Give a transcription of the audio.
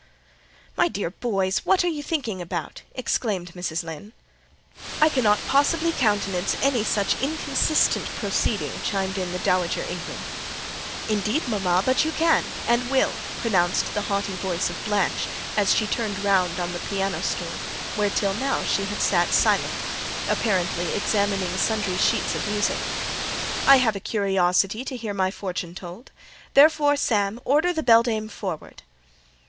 "My dear boys, what are you thinking about?" exclaimed Mrs. Lynn. "I cannot possibly countenance any such inconsistent proceeding," chimed in the Dowager Ingram. "Indeed, mama, but you can—and will," pronounced the haughty voice of Blanche, as she turned round on the piano stool; where till now she had sat silent, apparently examining sundry sheets of music. "I have a curiosity to hear my fortune told: therefore, Sam, order the beldame forward."